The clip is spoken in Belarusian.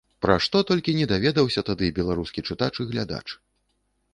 Пра што толькі не даведаўся тады беларускі чытач і глядач!